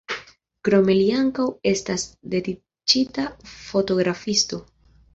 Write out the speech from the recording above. Krome li ankaŭ estas dediĉita fotografisto.